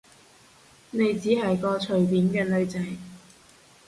你只係個隨便嘅女仔